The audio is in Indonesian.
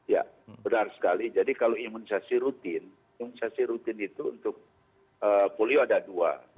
ya benar sekali jadi kalau imunisasi rutin imunisasi rutin itu untuk polio ada dua